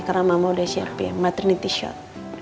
karena mama udah siap ya maternity shot